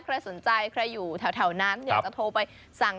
ใครสนใจใครอยู่แถวนั้นอยากจะโทรไปสั่ง